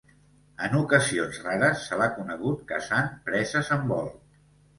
En ocasions rares se l'ha conegut caçant preses en vol.